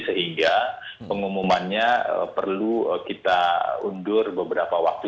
sehingga pengumumannya perlu kita undur beberapa waktu